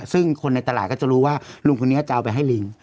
ซึ่งคนในตลาดก็จะรู้ว่าลุงคนนี้จะเอาไปให้ลิง